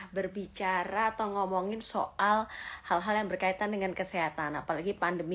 berbicara atau ngomongin soal hal hal yang berkaitan dengan kesehatan apalagi pandemi